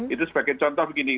itu sebagai contoh begini